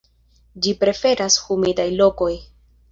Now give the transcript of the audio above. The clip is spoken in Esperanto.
Ĝi preferas humidaj lokoj.